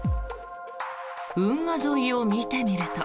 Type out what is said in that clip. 運河沿いを見てみると。